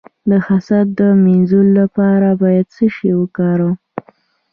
د حسد د مینځلو لپاره باید څه شی وکاروم؟